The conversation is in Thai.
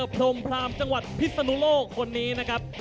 พรมพรามจังหวัดพิศนุโลกคนนี้นะครับ